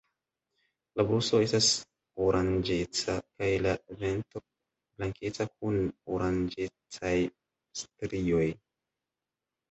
La brusto estas oranĝeca, kaj la ventro blankeca kun oranĝecaj strioj.